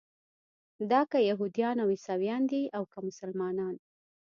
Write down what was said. دا که یهودیان او عیسویان دي او که مسلمانان.